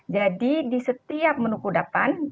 jadi di setiap menu kudapan